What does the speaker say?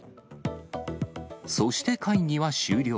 そして会議は終了。